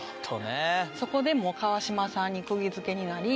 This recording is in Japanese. そこでもう川島さんにくぎづけになり